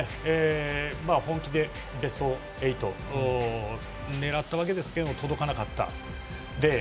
本気でベスト８を狙っていたわけですが届かなかった。